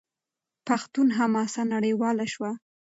پښتون حماسه نړیواله شوه.